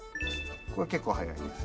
これ結構速いです。